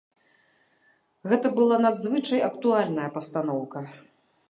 Гэта была надзвычай актуальная пастаноўка.